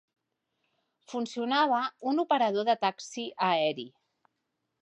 Funcionava un operador de taxi aeri.